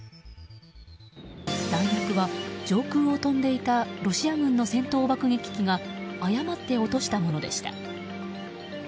弾薬は、上空を飛んでいたロシア軍の戦闘爆撃機が誤って落としたものでした。